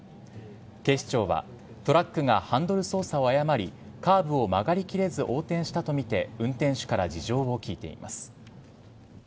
警視庁は、トラックがハンドル操作を誤り、カーブを曲がりきれず横転したと見て、運転手から事情を聴いています。